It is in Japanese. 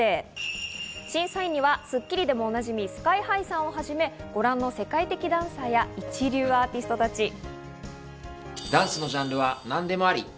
審査員には『スッキリ』でもおなじみのＳＫＹ−ＨＩさんをはじめ、ご覧の世界的ダンサーや一流アーティストたち。